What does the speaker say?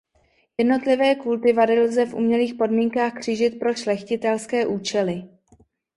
Jednotlivé kultivary lze v umělých podmínkách křížit pro šlechtitelské účely.